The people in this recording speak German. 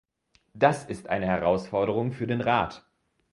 Das ist eine Herausforderung für den Rat.